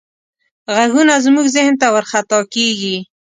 غږونه زموږ ذهن ته ورخطا کېږي.